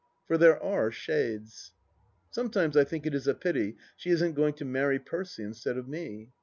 For there are shades. Sometimes I think it is a pity she isn't going to marry Percy instead of me.